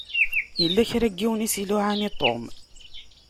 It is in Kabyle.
Yella kra n yiwen i s-iluɛan i Tom.